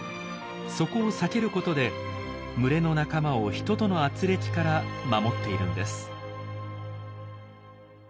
そこを避けることで群れの仲間を人とのあつれきから守っているんです。